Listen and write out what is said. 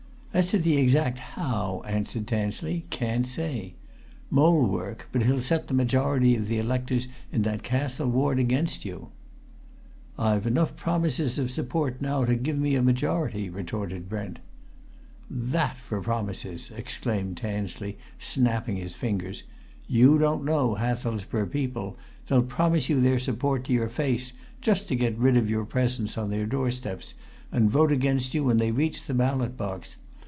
"As to the exact how," answered Tansley, "can't say! Mole work but he'll set the majority of the electors in that Castle Ward against you." "I've enough promises of support now to give me a majority," retorted Brent. "That for promises!" exclaimed Tansley, snapping his fingers. "You don't know Hathelsborough people! They'll promise you their support to your face just to get rid of your presence on their door steps and vote against you when they reach the ballot box.